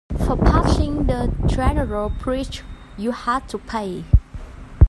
For passing the general bridge, you had to pay.